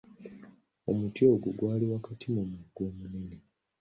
Omuti ogwo gwali wakati mu mugga omunene.